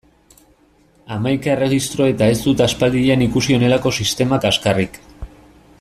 Hamaika erregistro eta ez dut aspaldian ikusi honelako sistema kaxkarrik!